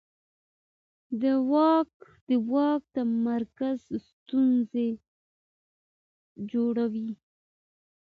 د واک تمرکز ستونزې جوړوي